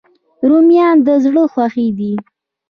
رومیان د زړه خوښي دي